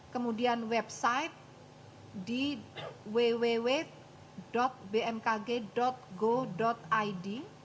kemudian website di www bmkg go id